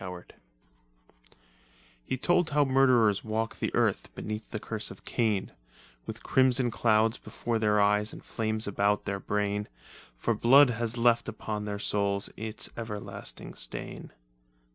Howard Layout 2 He told how murders walk the earth Beneath the curse of Cain, With crimson clouds before their eyes And flames about their brain: For blood has left upon their souls Its everlasting stain.